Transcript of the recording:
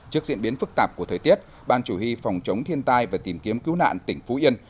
trước diễn biến phức tạp của thời tiết ban chủ y phòng chống thiên tai và tìm kiếm cứu nạn tỉnh phú yên